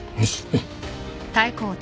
はい。